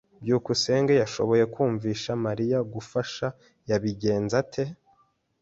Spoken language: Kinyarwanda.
"byukusenge yashoboye kumvisha Mariya gufasha." "Yabigenze ate?"